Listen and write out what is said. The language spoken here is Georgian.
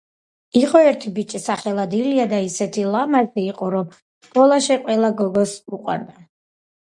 იყო ერთი ბიჭი სახელად ილია ის ისეთი ლამაზი იყო რომ სკოლაში ყველა გოგოს უყვარდა